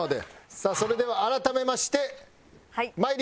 さあそれでは改めましてまいります。